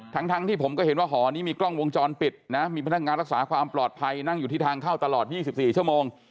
ทั้งที่ผมก็เห็นว่าหอนี้มีกล้องวงจรปิดนะมีพนักงานรักษาความปลอดภัยนั่งอยู่ที่ทางเข้าตลอด๒๔ชั่วโมง